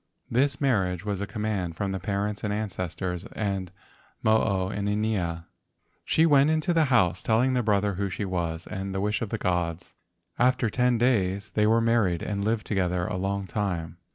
This marriage was a command from parents and ancestors and Mo o inanea. She went into the house, telling the brother who she was, and the wish of the gods. After ten days they were married and lived together a long time.